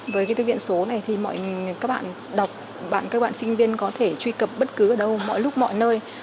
với cái thư viện số này thì mọi các bạn đọc các bạn sinh viên có thể truy cập bất cứ ở đâu mọi lúc mọi nơi